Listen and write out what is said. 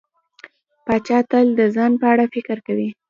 پاچا تل د ځان په اړه فکر کوي.